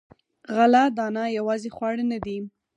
غله دانه یوازې خواړه نه دي.